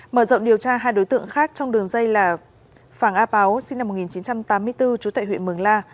mở rộng điều tra hai đối tượng khác trong đường dây là phàng áp áo sinh năm một nghìn chín trăm tám mươi bốn chú tại huyện mường la